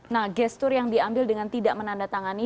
nah gestur yang diambil dengan tidak menandatangani